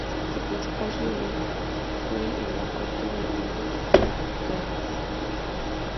Su principal rival en la corte fue Giulio Caccini.